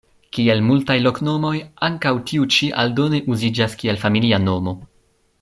Kiel multaj loknomoj, ankaŭ tiu ĉi aldone uziĝas kiel familia nomo.